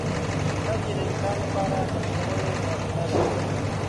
• سترګې د انسان لپاره د خوښیو سرچینه ده.